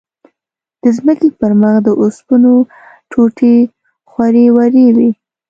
د ځمکې پر مخ د اوسپنو ټوټې خورې ورې وې.